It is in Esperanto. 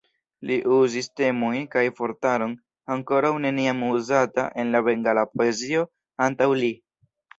Li uzis temojn kaj vortaron ankoraŭ neniam uzata en la bengala poezio antaŭ li.